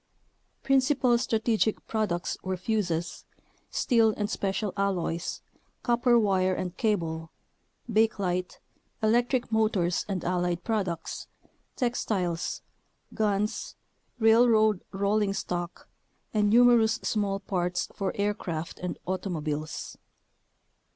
Principal strategic prod ucts were fuzes, steel and special alloys, copper wire and cable, bakelite, electric motors and allied products, textiles, guns, railroad rolling stock, and numerous small parts for aircraft and automobiles.